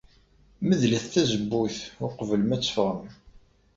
Medlet tazewwut uqbel ma teffɣem.